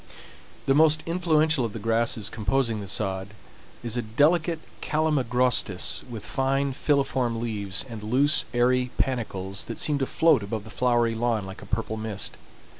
The most influential of the grasses composing the sod is a delicate calamagrostis with fine filiform leaves, and loose, airy panicles that seem to float above the flowery lawn like a purple mist.